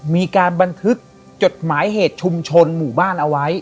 มีการบันทึกจดหมายเหตุชุมชนหมู่บ้านเอาไว้